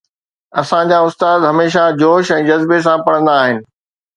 اسان جا استاد هميشه جوش ۽ جذبي سان پڙهندا آهن